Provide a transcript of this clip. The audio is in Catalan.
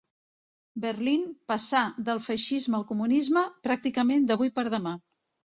Berlín passà del feixisme al comunisme, pràcticament d'avui per demà.